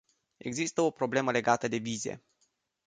Există o problemă legată de vize.